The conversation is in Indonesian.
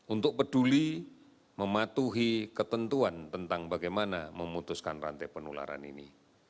untuk peduli mematuhi ketentuan tentang bagaimana memutuskan rantai penularan ini